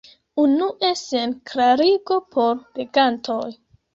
Unue sen klarigo por legantoj.